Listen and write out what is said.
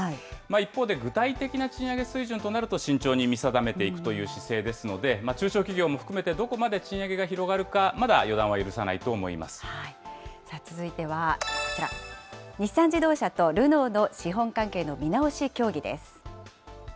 一方で、具体的な賃上げ水準となると慎重に見定めていくという姿勢ですので、中小企業も含めてどこまで賃上げが広がるか、まだ予断は許さ続いてはこちら、日産自動車とルノーの資本関係の見直し協議です。